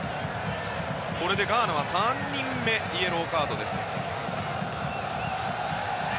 これでガーナは３人目のイエローカードです。